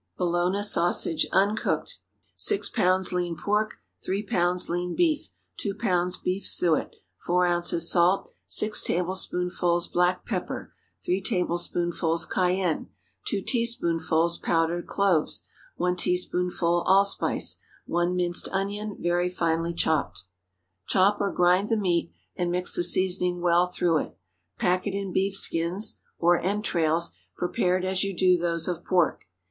BOLOGNA SAUSAGE (Uncooked.) 6 lbs. lean pork. 3 lbs. lean beef. 2 lbs. beef suet. 4 ounces salt. 6 tablespoonfuls black pepper. 3 tablespoonfuls cayenne. 2 teaspoonfuls powdered cloves. 1 teaspoonful allspice. One minced onion, very finely chopped. Chop or grind the meat, and mix the seasoning well through it. Pack it in beef skins (or entrails) prepared as you do those of pork.